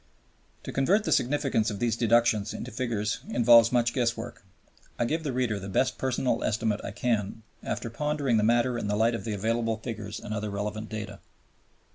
To convert the significance of these deductions into figures involves much guesswork. I give the reader the best personal estimate I can form after pondering the matter in the light of the available figures and other relevant data.